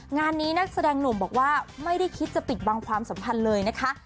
งานนี้นักแสดงหนุ่มบอกว่าไม่ได้คิดจะปิดบังความสัมพันธ์เลยนะคะ